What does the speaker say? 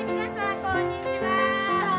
こんにちは。